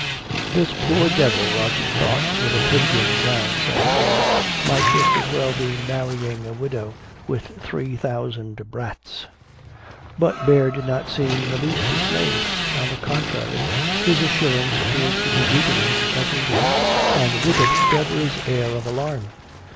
"This poor devil," Roger thought, with a pitying glance at Baird, "might just as well be marrying a widow with three thousand brats." But Baird did not seem in the least dismayed. On the contrary, his assurance appeared to be deepening every week, and with it Deborah's air of alarm.